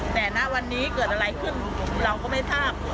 แต่ณวันนี้เกิดอะไรขึ้นเราก็ไม่ทราบ